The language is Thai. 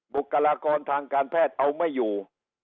บุคลากรทางการแพทย์เอาไม่อยู่